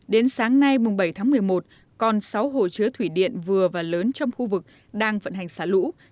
đến sáng nay bảy tháng một mươi một còn sáu hồ chứa thủy điện vừa và lớn trong khu vực đang vận hành xả lũ